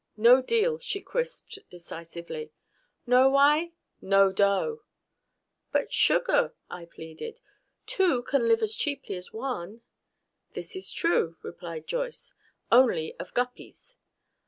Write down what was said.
"No deal," she crisped decisively. "Know why? No dough!" "But, sugar," I pleaded, "two can live as cheaply as one " "This is true," replied Joyce, "only of guppies.